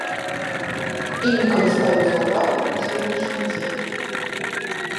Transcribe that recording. Імі карыстаюцца ў парку па сённяшні дзень.